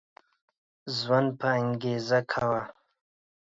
ژوند په انګيزه کوه